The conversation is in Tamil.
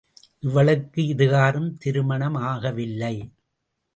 இவளுக்கு இதுகாறும் திருமணம் ஆக வில்லை.